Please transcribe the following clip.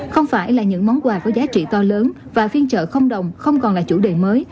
không phải là những món quà có giá trị to lớn và phiên chợ không đồng không còn là chủ đề mới